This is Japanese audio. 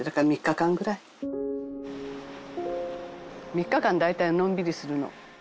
「３日間大体のんびりするの」